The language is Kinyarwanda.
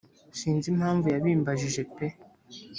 sinzi impamvu yabimbajije pe